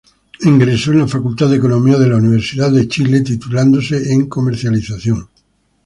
Ingresó a la Facultad de Economía de la Universidad de Chile titulándose en Comercialización.